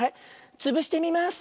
つぶしてみます。